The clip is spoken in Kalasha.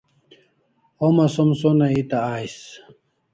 Homa som sonai eta ais